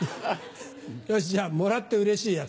よしじゃあもらってうれしいやつ。